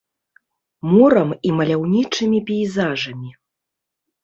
Морам і маляўнічымі пейзажамі.